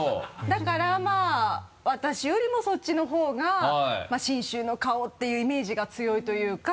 だからまぁ私よりもそっちの方が信州の顔っていうイメージが強いというか。